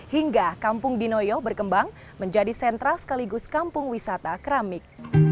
hingga kampung dinoyo berkembang menjadi sentra sekaligus kampung wisata keramik